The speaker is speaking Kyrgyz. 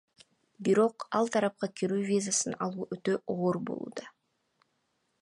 Бирок ал тарапка кирүү визасын алуу өтө оор болууда.